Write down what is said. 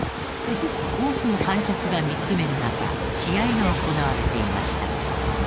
多くの観客が見つめる中試合が行われていました。